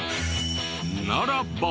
ならば。